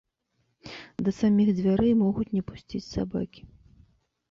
Да саміх дзвярэй могуць не пусціць сабакі.